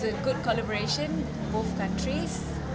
dan kami juga memperoleh untuk acara hari ini